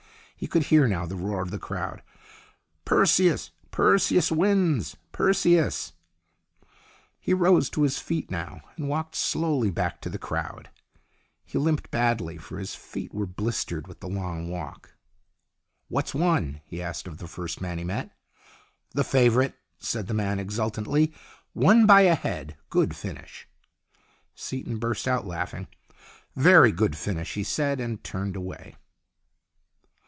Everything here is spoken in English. He could hear now the roar of the crowd. " Perseus ! Perseus wins ! Perseus !" 122 STORIES IN GREY He rose to his feet now and walked slowly back to the crowd. He limped badly, for his feet were blistered with the long walk. "What's won?" he asked of the first man he met. "The favourite," said the man, exultantly. " Won by a head. Good finish." Seaton burst out laughing. " Very good finish," he said, and turned away.